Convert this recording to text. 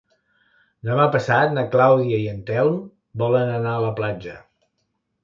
Demà passat na Clàudia i en Telm volen anar a la platja.